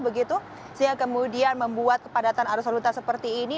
begitu sehingga kemudian membuat kepadatan arus lalu lintas seperti ini